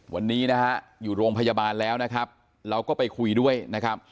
วันนี้นะฮะอยู่โรงพยาบาลแล้วนะครับเราก็ไปคุยด้วยนะครับ